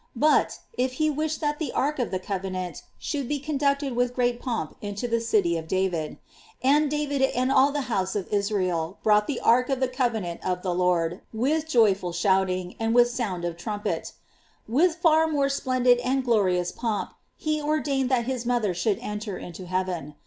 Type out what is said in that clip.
But, if he wished that the ark of the covenant should be conducted with great pomp into the city of David — And David and all the house of Israel brought the ark of the covenant of the Lord with joyful shouting, and with sound of trumpetf — with far more splendid and glorious pomp he ordained that his mother should enter into heaven.